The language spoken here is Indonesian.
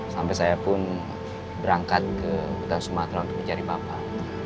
sampai saya pun berangkat ke hutan sumatera untuk mencari bapak